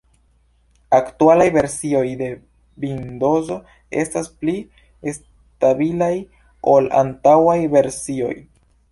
Aktualaj versioj de Vindozo estas pli stabilaj ol antaŭaj versioj.